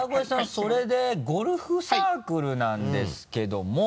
それでゴルフサークルなんですけども。